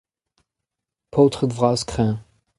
paotred vras kreñv.